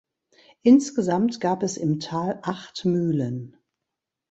Insgesamt gab es im Tal acht Mühlen.